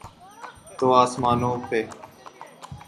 تو آسمانوں پہ۔